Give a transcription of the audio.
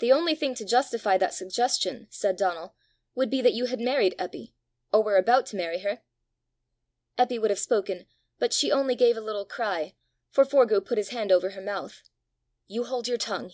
"The only thing to justify that suggestion," said Donal, "would be that you had married Eppy, or were about to marry her!" Eppy would have spoken; but she only gave a little cry, for Forgue put his hand over her mouth. "You hold your tongue!"